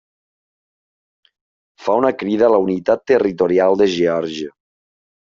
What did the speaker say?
Fa una crida a la unitat territorial de Geòrgia.